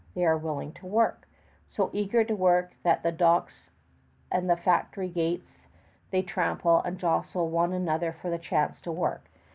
They are willing to work, so eager to work that at the docks and the factory gates they trample and jostle one another for the chance to work.